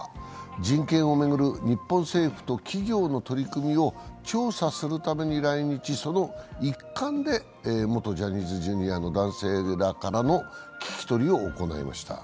人権を巡る日本政府と企業の取り組みを調査するために来日、その一環で元ジャニーズＪｒ．の男性らからの聞き取りを行いました。